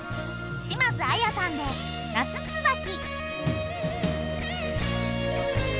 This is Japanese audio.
島津亜矢さんで『夏つばき』。